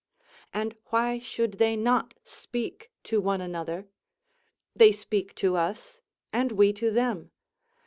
And why should they not speak to one another? They speak to us, and we to them.